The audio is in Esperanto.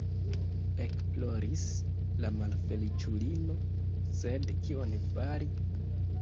Ekploris la malfeliĉulino, sed kion fari?